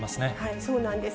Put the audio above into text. そうなんです。